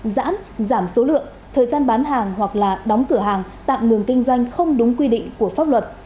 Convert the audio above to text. giãn giảm số lượng thời gian bán hàng hoặc là đóng cửa hàng tạm ngừng kinh doanh không đúng quy định của pháp luật